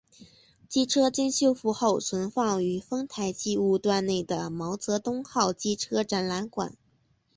机车经修复后存放于丰台机务段内的毛泽东号机车展览馆。